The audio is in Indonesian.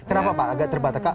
kenapa pak agak terbatas